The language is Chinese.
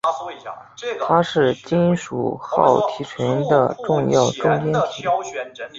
它是金属锆提纯的重要中间体。